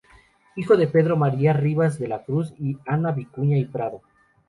Hijo de Pedro María Rivas de la Cruz y Ana Vicuña y Prado.